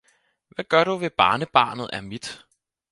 Hvad gør du ved barnetbarnet er mit